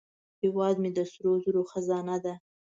هیواد مې د سرو زرو خزانه ده